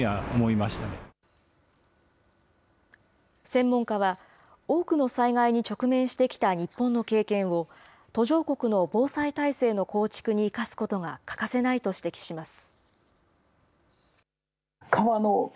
専門家は、多くの災害に直面してきた日本の経験を、途上国の防災体制の構築に生かすことが欠かせないと指摘します。